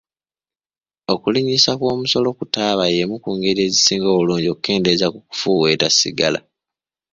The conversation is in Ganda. Okulinyisibwa kw'omusolo ku taaba y'emu ku ngeri ezisinga obulungi okukendeeza ku kufuweeta sigala.